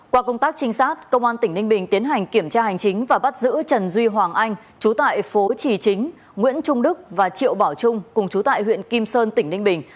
qua công tác trinh sát công an tỉnh ninh bình tiến hành kiểm tra hành chính và bắt giữ trần duy hoàng anh chú tại phố trì chính nguyễn trung đức và triệu bảo trung cùng chú tại huyện kim sơn tỉnh ninh bình